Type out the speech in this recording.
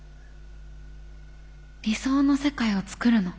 理想の世界を創るの。